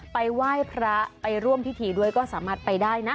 ไปไหว้พระไปร่วมพิธีด้วยก็สามารถไปได้นะ